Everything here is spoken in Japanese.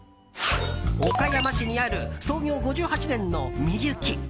岡山市にある創業５８年のみゆき。